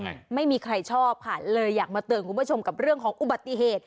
ไม่มีใครชอบค่ะเลยอยากมาเตือนคุณผู้ชมกับเรื่องของอุบัติเหตุ